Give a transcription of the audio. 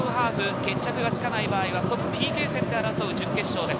決着がつかない場合は、即ＰＫ戦で争う準決勝です。